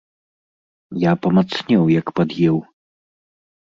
Я памацнеў, як пад'еў.